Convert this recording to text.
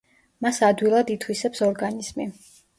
მას ადვილად ითვისებს ორგანიზმი.